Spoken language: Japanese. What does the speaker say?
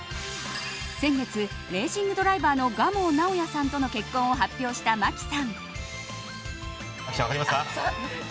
先月、レーシングドライバーの蒲生尚弥さんとの結婚を発表した麻希さん。